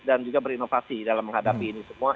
dan juga berinovasi dalam menghadapi ini semua